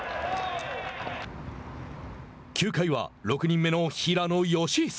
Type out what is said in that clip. ９回は、６人目の平野佳寿。